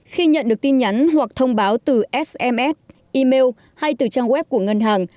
khi nhận được tin nhắn hoặc thông báo từ sms email hay từ trang web của ngân hàng